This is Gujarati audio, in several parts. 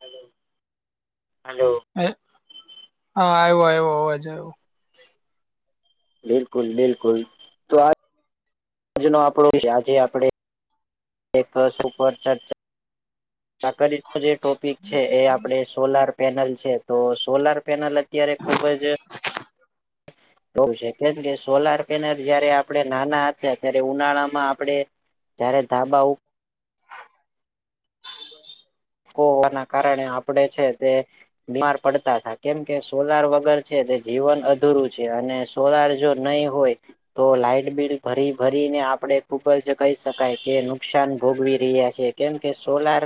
હલો હાલો. હ હા આવ્યો આવ્યો અવાજ આવ્યો. બિલકુલ, બિલકુલ. જેનો આપડો આજે આપડે. એક પ્રશ્ન પર ચર્ચા. આ જે ટોપિક છે, એ આપણે સોલાર પેનલ છે, તો સોલાર પેનલ અત્યારે ખુબ જ [unintelligible] એ છે કેમ કે, સોલાર પેનલ જયારે આપણે નાના હતા, ત્યારે ઉનાળામાં આપણેે [unintelligible] હોવાના કારણે આપડે છે, તે બીમાર પડતા. કેમ કે સોલાર વગર છે, તે જીવન અધૂરું છે, અને સોલાર જો નહી હોય. તો લાઈટ બિલ ભરી ભરીને, આપડે ખૂબ જ કહી શકાય કે, નુકસાન ભોગવી રહ્યા છે. કેમ કે સોલાર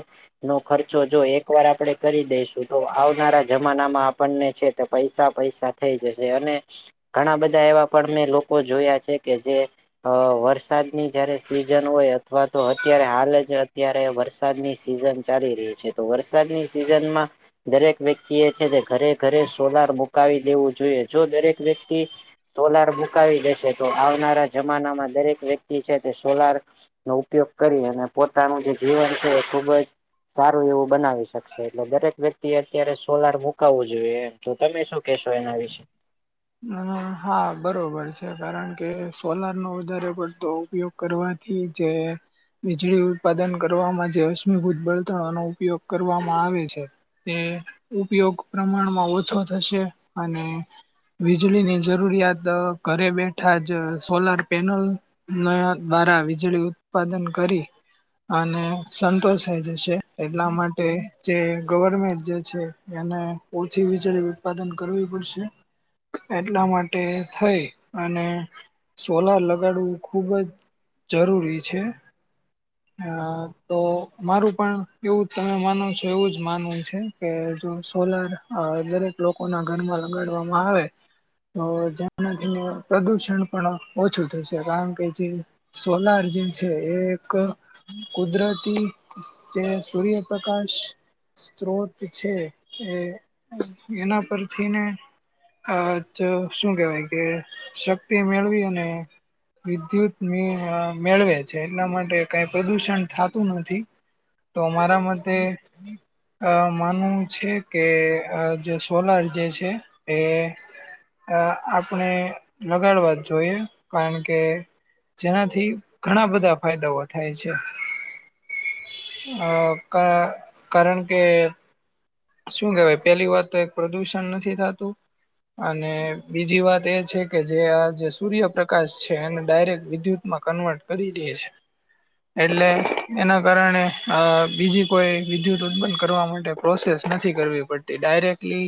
નો ખર્ચો જો એક વાર આપણેે કરી દઈશું, તો આવનારા જમાના માં આપણને છે. પૈસા પૈસા થઇ જશે, અને ઘણા બધા એવા પણ મેં લોકો જોયા છે કે, જે અ વરસાદની જયારે સિઝન હોય, અથવા તો અત્યારે હાલ જ અત્યારે વરસાદ વરસાદ ની સિઝન ચાલી રહી છે, તો વરસાદની સિઝનમાં દરેક વ્યક્તિ એ છે, જે ઘરે ઘરે સોલાર મુકાવી દેવું જોઈએ, જો દરેક વ્યક્તિ સોલાર મુકાવી લેશે તો, જમાનામાં દરેક વ્યક્તિ છે, તે સોલાર નો ઉપયોગ કરી, અને પોતાનું જે જીવન છે, એ ખુબ જ સારું એવું બનાવી શકશે, એટલે દરેક વ્યક્તિ એ અત્યારે સોલાર મુકાવવું જોઈએ. તો તમે શું કેહેશો, એના વિશે? હ, હા, બરોબર છે, કારણ કે સોલાર નો વધારે પડતો ઉપયોગ કરવાથી જે વીજળી ઉત્પાદન કરવામાં, જે અશ્મિભૂત બળતણનો ઉપયોગ કરવામાં આવે છે. તે ઉપયોગ પ્રમાણમાં ઓછો થશે, અને વીજળી ની જરૂરિયાત ઘરે બેઠા જ સોલાર પેનલ ના દ્વારા વીજળી ઉત્પાદન કરી. અને સંતોષ થઈ જશે, એટલા માટે જે ગવર્મેન્ટ જે છે, એને ઓછી વીજળી ઉત્પાદન કરવી પડશે. એટલા માટે થઈ, અને સોલાર લગાડવું ખુબ જ જરૂરી છે. હ તો મારું પણ એવું તમે માનો છો, એવું જ માનવું છે. કે જો સોલાર અ દરેક લોકોના ઘરમાં લગાડવામાં આવે. તો જેનાથીને પ્રદુષણ પણ ઓછું થશે, કારણ કે જે સોલાર જે છે, એ એક કુદરતી જે સૂર્યપ્રકાશ સ્ત્રોત છે, એ એના પરથી ને શું કેવાય કે, શક્તિ મેળવી અને વિદ્યુત મેળવે છે, એટલા માટે કાંઈ પ્રદૂષણ થાતું નથી, તો મારા મતે અ માનવું છે કે, જે સોલાર જે છે એ અ આપણે લગાડવા જ જોઈએ, કારણ કે જેનાથી ઘણા બધા ફાયદાઓ હ થાય છે, અ કારણ કે શું કેવાય? પેલી વાત તો એક પ્રદુષણ નથી થતું. અને બીજી વાત એ છે કે, જે આજે સૂર્યપ્રકાશ છે, એને ડાયરેક્ટ વિદ્યુત માં કન્વર્ટ કરી દે છે. એટલે એના કારણે અ બીજી કોઈ વિદ્યુત ઉત્પન કરવા માટે પ્રોસેસ નથી કરવી પડતી, ડાયરેક્ટલી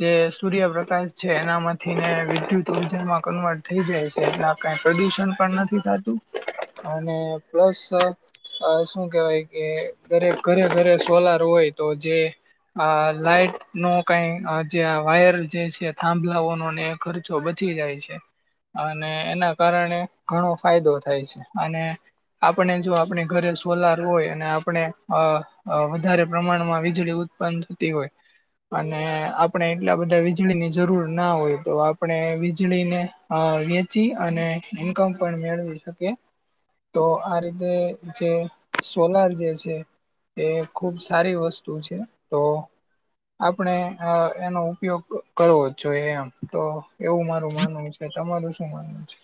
જે સૂર્યપ્રકાશ છે, માંથી ને, વિદ્યુત ઉર્જામાં કન્વર્ટ થઈ જાય છે, એટલા કઈ પ્રદુષણ પણ નથી થતું, અને પ્લસ અ શું કેહેવાય કે, દરેક ઘરે ઘરે સોલાર હોય તો જે અ લાઈટ નો કઈ જે વાયર જે છે, થાંભલાવોનો ખર્ચો બચી જાય છે. અને એના કારણે ઘણો ફાયદો થાય છે, અને આપણે જો આપણે ઘરે સોલાર હોય, અને આપણે અ અ વધારે પ્રમાણમાં વીજળી ઉ ત્પન થતી હોય. અને આપણે એટલા બધા વીજળીની જરૂર ના હોય તો, આપણે વીજળીને અ વેચી અને ઇન્કમ પણ મેળવી શકીએ. તો આ રીતે જે સોલાર જે છે. એ ખુબ સારી વસ્તુ છે. તો આપણે અ એનો ઉપયોગ કરવો જોઈએ, એમ તો એવું મારુ માનવું છે, તમારું શું માનવું છે?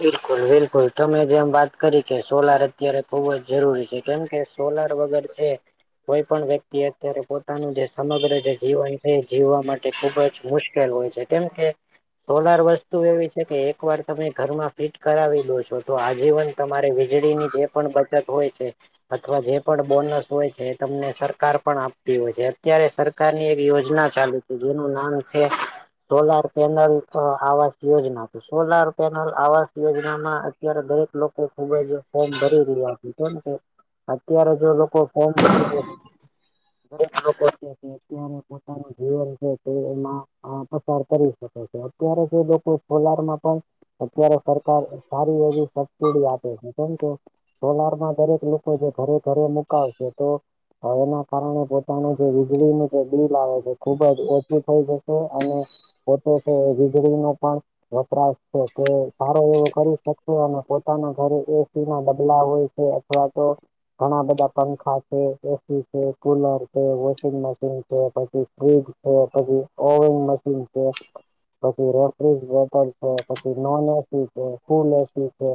બિલકુલ, બિલકુલ તમે જેમ વાત કરી કે, સોલાર અત્યારે ખુબ જ જરૂરી છે, કેમ કે સોલાર વગર છે, કોઈ પણ વ્યક્તિ અત્યારે પોતાનું જે સમગ્ર જે જીવન છે, એ જીવવા માટે ખુબ જ મુશ્કેલ હોય છે, કેમ કે સોલાર વસ્તુ એવી છે કે, એક વાર તમે ઘરમાં ફિટ કરાવી દો છો, તો આજીવન તમારે વીજળીની જે પણ બચત હોય છે. અથવા જે પણ બોનસ હોય છે, એ તમને સરકાર પણ આપતી હોય છે, અત્યારે સર કારની એક યોજના ચાલુ છે, જેનું નામ છે. સોલાર પેનલ અ આવાસ યોજના તો સોલાર પેનલ આવાસ યોજનામા અત્યારે દરેક લોકો ખુબ જ ફોમ ભરી રહ્યા છે. કેમ કે, અત્યારે જો લોકો ફોર્મ ગરીબ લોકો છે. અત્યારે પોતાનું જીવન છે, તે એમાં અ પસાર કરી શકે છે, અત્યારે જે લોકો સોલારમાં પણ અત્યારે સરકાર સારી એવી સબસડી આપે છે, કેમ કે સોલારમાં દરેક લોકો જે ઘરે ઘરે મુકાવશે તો, હવે એના કારણે પો તાનું જે વીજળી નું જે બિલ આવે છે. ખુબ જ ઓછું થઈ જશે, અને પોતે તે વીજળીનો પણ વપરાશ કે સારો એવો કરી શકશે, અને પોતે પોતાના ઘરે એસીમા બદલાવ હોય છે, અથવા તો ઘણા બધા પંખા છે, એસી છે, કુલર છે, વોશિંગ મશીન છે. છે, પછી ફ્રીજ છે, પછી ઓવન મશીન છે. પછી રેફ્રિજરેટર છે, પછી નોન એસી છે, ફૂલ એસી છે,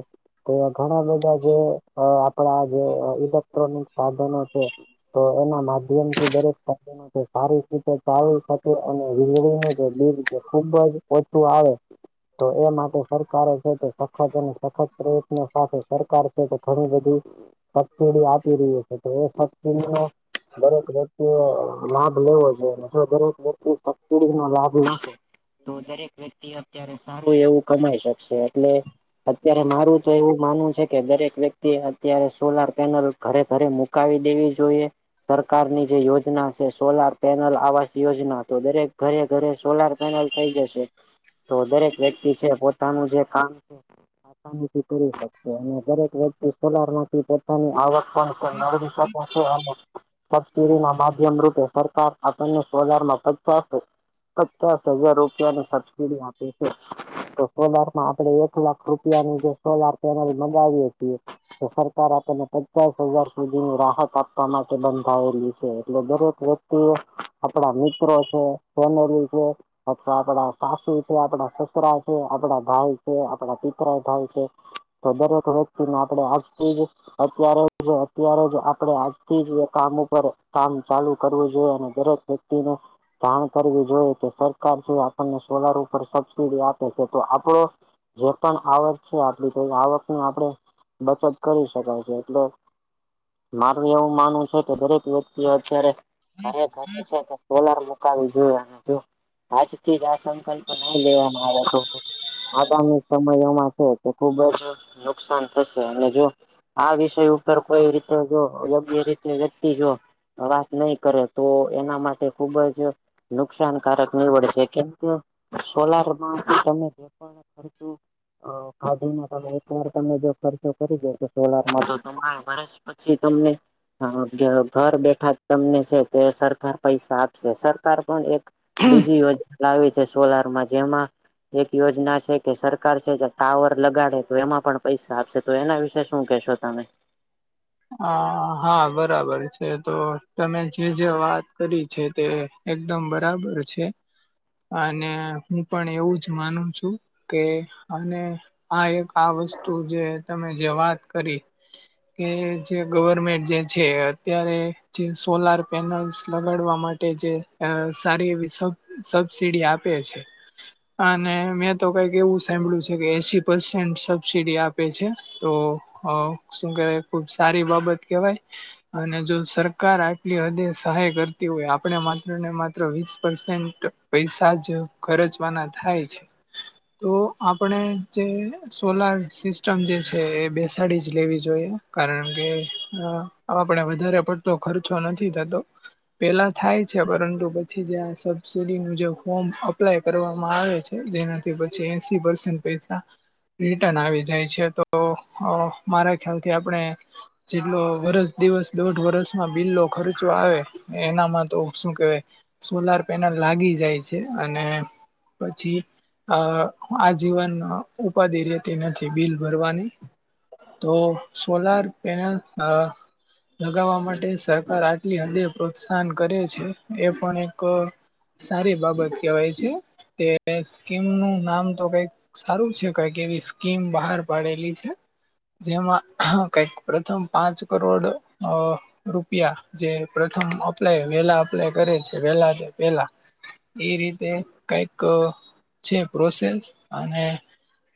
તો એ ઘણા બધા જે અ આપ આપણા જે ઇલેક્ટ્રોનિક સાધનો છે, તો એના માધ્યમથી દરેક તત્વો સારી જ રીતે ચાવી સાથે, અને વીજળી નું જે બિલ જે ખુબ જ ઓછું આવે. તો એ માટે સરકારે છે, તો સખત અને સખત પ્રયત્નો સાથે સરકાર છે, તો ઘણી બધી સબસિડી આપી રહ્યું છે, તો એ સબ સીડીનો દરેક વ્યક્તિએ લાભ લેવો જોઈએ, જો દરેક વ્યક્તિ જો સબસડીનો લાભ લેશે, તો દરેક વ્યક્તિ અત્યારે સારું એવું કમાય છે. શકશે એટલે. અત્યારે મારું તો એવું માનવું છે કે, દરેક વ્યક્તિ અત્યારે સોલાર પેનલ ઘરે ઘરે મુકાવી દેવી જોઈએ. સરકારની જે યોજના છે, સોલાર પેનલ આવાસ યોજના તો દરેક ઘરે-ઘરે સોલાર પેનલ થઈ જશે, તો દરેક વ્યક્તિ છે, પોતાનું જે કામ છે. આસાનીથી કરી શકશે, અને દરેક વ્યક્તિ સોલારમાંથી પોતાની આવક ફોન કરનાર બી [unintelligible] સબસિડીના માધ્યમ રૂપે સરકાર આપણને સોલારમાં પચાસ પચાસ હજાર રૂપિયાની સબસિડી આપે છે. તો સોલારમાં આપણેે એક લાખ રૂપિયાની જે સોલાર પેનલ મંગાવીએ છીએ. તો સરકાર આપણને પચાસ હજાર સુધીની રાહત આપવા માટે બંધાયેલી છે, એટલે દરેક વ્યક્તિ એ આપણા મિત્રો છે, ફેમલી છે, અથવા આપડા સાસુ છે, આપડા સસરા છે, આપડા ભાઈ છે, આપડા પિતરાઈ ભાઈ છે. તો દરેક આપડે આજથી જ અત્યારે જ અત્યારે જ આપણેે આજથી જ કામ ઉપર કામ ચાલુ કરવું જોઈએ, અને દરેક વ્યક્તિ જાણ કરવી જોઈએ કે, સરકારથી આપણને સોલાર ઉપર સબસિડી આપે છે, તો આપડો જે પણ આવ વર્ષે આપડી કોઈ આવકની આપણેે બચત કરી શકાય છે, એટલે મારું એવું માનવું છે કે, દરેક વ્યક્તિઓ અત્યારે ઘરે છે સોલાર. જોઈને ને, જો આજ થી જ આ સંકલ્પ નહી લેવામાં આવે તો આગામી સમયમાં છે, તો ખુબ જ નુકસાન અને જો આ વિષય ઉપર કોઈ રીતે જો યોગ્ય રીતે વ્યક્તિ જો વાત નહી કરે, તો એના માટે ખુબ જ નુકસાનકારક નીવડ છે, કેમ કે સોલાર તમે જે પણ ખર્ચો. તમે એકવાર તમે જો ખર્ચો કરી દયો, તો સોલારમાં પછી તમને હ ઘર બેઠા જ તમને છે, તે સરકાર પૈસા આપશે, સરકાર પણ એક બીજી યોજના લાવી, સોલારમાં જેમાં એક યોજના છે. કે સરકાર છે, જે ટાવર લગાડે તો, એમાં પણ પૈસા આપશે, તો એના વિશે શું કેશો તમે? હ, હા, બરાબર છે, તો તમે જે-જે વાત કરી છે, તે એકદમ બરાબર છે. અને હું પણ એવું જ માનું છું કે, અને આ એક આ વસ્તુ જે તમે જે વાત કરી. કે જે ગવર્મેન્ટ જે છે, અત્યારે જે સોલાર પેનલ્સ લગાડવા માટે જે અ સારી એવી સ સબસીડી આપે છે. અને મેં તો કઈક એવું સાંભળ્યું છે કે, એસી પર્સેન્ટ સબસીડી આપે છે. તો અ શું કેવાય, ખુબ સારી બાબત કેવાય. અને જો સરકાર આટલી હદે સહાય કરતી હોય, આપણે માત્ર ને માત્ર વીસ પરસેન્ટ પૈસા જ ખર્ચવાના થાય છે. તો આપણે જે સોલાર સિસ્ટમ જે છે, એ બેસાડી જ લેવી જોઈએ. કારણ કે, આપડે વધારે પડતો ખર્ચો નથી થતો. પેલા થાય છે, પરંતુ પછી જે આ સબસીડીનું જે ફોર્મ અપ્લાય કરવામાં આવે છે. જેનાથી પછી એસી પર્સન્ટ પૈસા રિટર્ન આવી જાય છે, તો મારા ખ્યાલથી આપણે જેટલો વરસ-દિવસ, દોઢ વર્ષમાં બિલો ખર્ચો આવે. એનામાં તો શું કેવાય? સોલાર પેનલ લાગી જાય છે, અને પછી અ આ જીવન ઉપાધિ રહેેતી નથી, બિલ ભરવાની. તો સોલાર પેનલ અ લગાવવા માટે, સરકાર આટલી હદે પ્રોત્સાહન કરે છે, એ પણ એક સારી બાબત કેવાય છે, તે સ્કીમ નું નામ તો કઈક સારું છે, કઈક એવી સ્કીમ બહાર પાડેલી છે, જેમાં હ કંઈક પ્રથમ પાંચ કરોડ રૂપિયા જે પ્રથમ અપ્લાય વેલા અપ્લાય કરે છે, વેલા તે પેલા. એ રીતે કઈક છે, પ્રોસેસ અને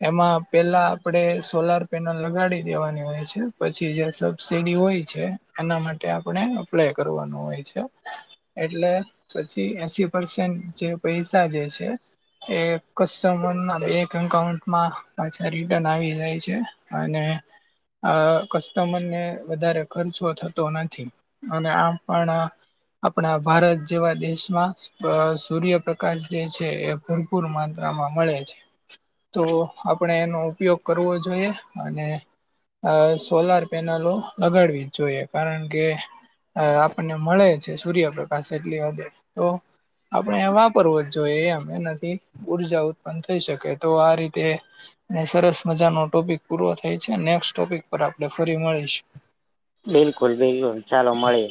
એમાં પેલા આપડે સોલાર પેનલ લગાડી દેવાની. હોય છે, પછી જે સબસીડી હોય છે, એના માટે આપણે અપ્લાય કરવાનું હોય છે. એટલે પછી એસી પર્સેન્ટ જે પૈસા જે છે. એ કસ્ટમરના એક અકાઉન્ટમાં પાછા રિટન આવી જાય છે. અને આ કસ્ટમરને વધારે ખર્ચો થતો નથી, અને આમ પણ. આપણા ભારત જેવા દેશમાં સૂર્યપ્રકાશ જે છે, એ ભરપૂર માનમાં મળે છે. તો આપણે એનો ઉપયોગ કરવો જોઈએ, અને અ સોલાર પેનલો લગાડવી જ જોઈએ, કારણ કે અ આપણને મળે, સૂર્યપ્રકાશ એટલી હદે આપણે એ વાપરવો જ જોઈએ, એમેના ઉર્જા ઉત્પન્ન થઈ શકે, તો આ રીતે અને સરસ મજાનો ટોપિક પૂરો થાય છે, નેક્સ્ટ ટોપિક પર આપણે ફરી મળીશ. બિલકુલ, બિલકુલ ચાલો મળીએ.